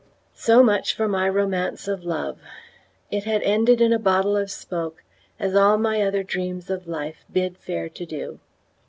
So much for my romance of love! It had ended in a bottle of smoke, as all my other dreams of life bid fair to do.